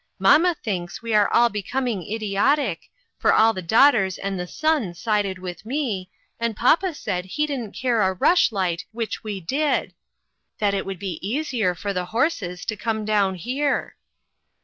Mamma thinks we are all becoming idiotic, for all the daughters and the son sided with me, and papa said he didn't care a rush light which we did ; that it would be easier for the horses to come down here."